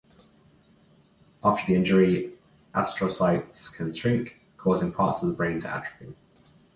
After the injury, astrocytes can shrink, causing parts of the brain to atrophy.